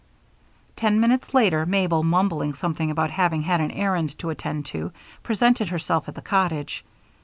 Ten minutes later Mabel, mumbling something about having had an errand to attend to, presented herself at the cottage.